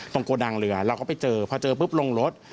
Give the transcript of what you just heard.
โกดังเรือเราก็ไปเจอพอเจอปุ๊บลงรถ